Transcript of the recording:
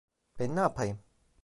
Ben ne yapayım?